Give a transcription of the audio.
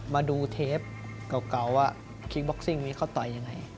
มาดูเทปเก่าว่าคิงบ็อกซิ่งนี้เขาต่อยยังไง